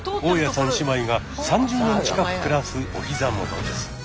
大家さん姉妹が３０年近く暮らすお膝元です。